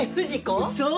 そう！